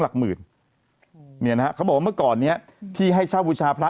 เขาบอกว่าเมื่อก่อนนี้ที่ให้เช่าพูดชาติพระ